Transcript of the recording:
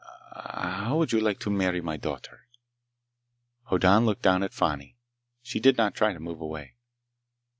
Ah— How would you like to marry my daughter?" Hoddan looked down at Fani. She did not try to move away.